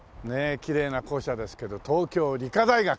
きれいな校舎ですけど東京理科大学！